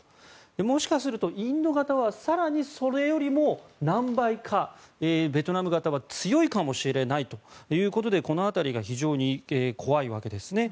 もしかするとインド型は更にそれよりも何倍かベトナム型は強いかもしれないということでこの辺りが非常に怖いわけですね。